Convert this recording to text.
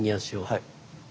はい。